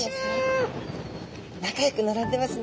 仲よく並んでますね。